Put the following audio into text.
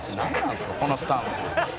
このスタンス」